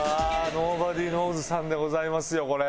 ｎｏｂｏｄｙｋｎｏｗｓ＋さんでございますよこれ。